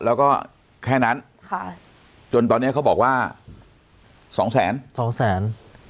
แล้วก็แค่นั้นค่ะจนตอนนี้เขาบอกว่าสองแสนสองแสน